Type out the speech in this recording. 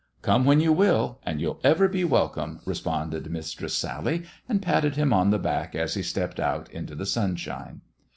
" Come when you will, and you'll ever be welcome," responded Mistress Sally, and patted him on the back as he stepped out into the sunshine.